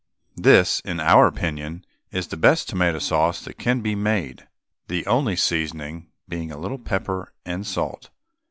This, in our opinion, is the best tomato sauce that can be made, the only seasoning being a little pepper and salt.